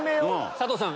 佐藤さん